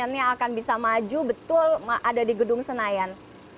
yang akan bisa maju betul ada di gedung senayan